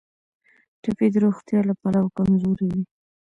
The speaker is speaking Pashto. ټپي د روغتیا له پلوه کمزوری وي.